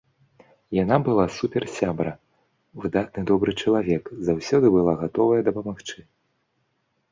Яна была суперсябра, выдатны, добры чалавек, заўсёды была гатовая дапамагчы.